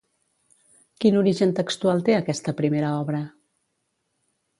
Quin origen textual té aquesta primera obra?